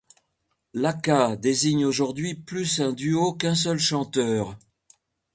Laka désigne aujourd'hui plus un duo qu'un seul chanteur.